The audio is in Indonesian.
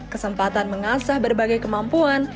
kesempatan mengasah berbagai kemampuan